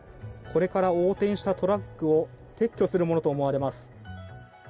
これから横転したトラックを撤去するものと思われます。